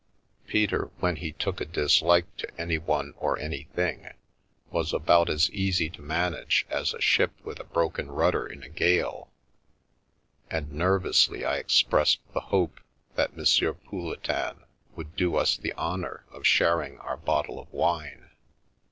Peter, when he took a dislike to anyone or anything, was about as easy to manage as a ship with a broken rudder in a gale, and nervously I expressed the hope that M. Pouletin would do us the honour of sharing our bottle of wine.